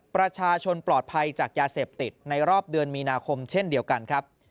ประชาชนปลอดภัยจากยาเสพติดในรอบเดือนมีนาคมเช่นเดียวกันครับ